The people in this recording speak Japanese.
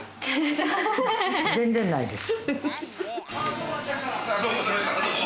全然ないです。